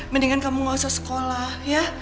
mendingan kamu gak usah sekolah ya